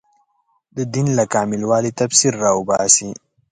د دین له کامل والي تفسیر راوباسي